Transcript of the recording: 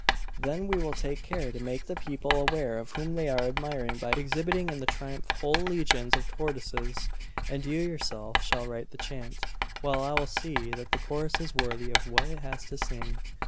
'Then we will take care to make the people aware of whom they are admiring by exhibiting in the triumph whole legions of tortoises: and you yourself shall write the chant, while I will see that the chorus is worthy of what it has to sing.